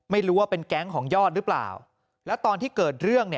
ไม่รู้ว่าเป็นแก๊งของยอดหรือเปล่าแล้วตอนที่เกิดเรื่อง